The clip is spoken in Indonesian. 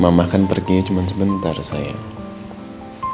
mama kan perginya cuma sebentar saya